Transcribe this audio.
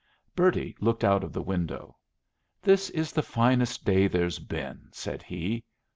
Bertie looked out of the window. "This is the finest day there's been," said he.